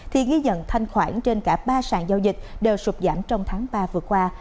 thì ghi nhận thanh khoản trên cả ba sàn giao dịch đều sụp giảm trong tháng ba vừa qua